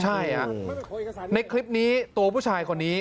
ใช่ในคลิปนี้ตัวผู้ชายคนนี้